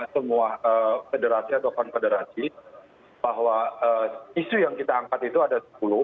semua federasi atau konfederasi bahwa isu yang kita angkat itu ada sepuluh